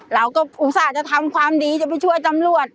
อุตส่าห์จะทำความดีจะไปช่วยตำรวจ